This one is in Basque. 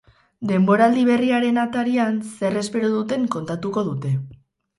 Denboraldi berriaren atarian zer espero duten kontatuko dute.